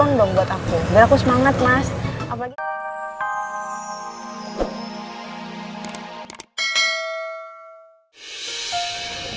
gak aku semangat mas